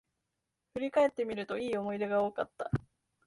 振り返ってみると、良い思い出が多かった